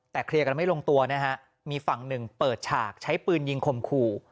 แต่เคลียร์กันไม่ลงตัวนะฮะมีฝั่งหนึ่งเปิดฉากใช้ปืนยิงข่มขู่